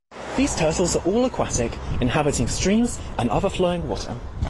These turtles are all aquatic, inhabiting streams and other flowing water.